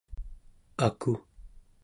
aku